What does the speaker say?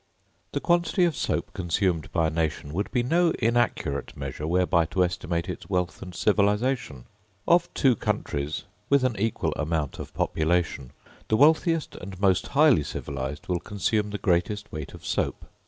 The quantity of soap consumed by a nation would be no inaccurate measure whereby to estimate its wealth and civilisation. Of two countries, with an equal amount of population, the wealthiest and most highly civilised will consume the greatest weight of soap.